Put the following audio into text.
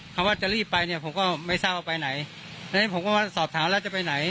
คำว่าจะรีบไปเนี่ยผมก็ไม่ทราบว่าไปไหนฉะนั้นผมก็สอบถามแล้วจะไปไหน